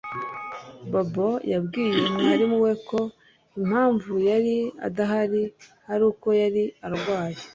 Bobo yabwiye mwarimu we ko impamvu yari adahari ari uko yari arwaye